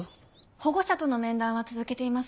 保護者との面談は続けています。